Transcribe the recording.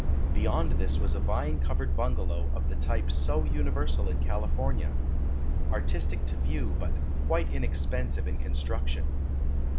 Beyond this was a vine covered bungalow of the type so universal in California; artistic to view but quite inexpensive in construction.